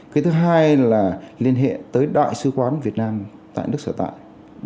cái thứ hai là liên hệ tới đại sứ quán việt nam tại nước sở tại